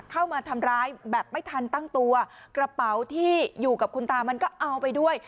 เข้ามาทำร้ายแบบไม่ทันตั้งตัวกระเป๋าที่อยู่กับคุณตามันก็เอาไปด้วย